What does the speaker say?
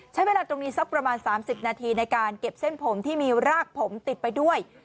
ใช้เวลาตรงนี้สักประมาณ๓๐นาทีในการเก็บเส้นผมที่มีรากผมติดไปด้วย